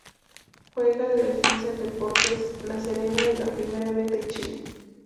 Juega de defensa en Deportes La Serena de la Primera B de Chile.